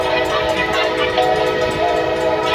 متل: په ډیرو قصابانو کي غوا مرداریږي.